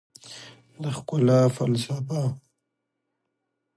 د ښکلا فلسفه